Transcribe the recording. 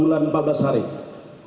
pendapatan pegawai kpk memang tinggi